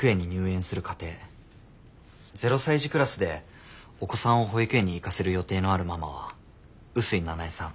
０歳児クラスでお子さんを保育園に行かせる予定のあるママは臼井奈苗さん